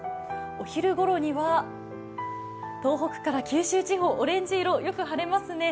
お昼ごろには東北から九州地方、オレンジ色、よく晴れますね。